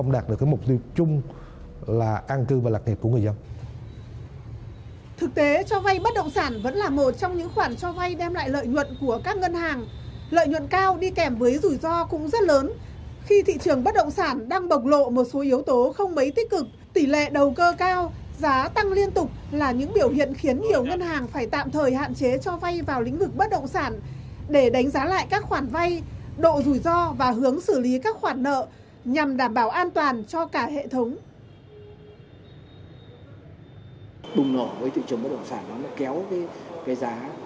bất động sản đang bộc lộ một số yếu tố không mấy tích cực tỷ lệ đầu cơ cao giá tăng liên tục là những biểu hiện khiến nhiều ngân hàng phải tạm thời hạn chế cho vay vào lĩnh vực bất động sản để đánh giá lại các khoản vay độ rủi ro và hướng xử lý các khoản nợ nhằm đảm bảo an toàn cho cả hệ thống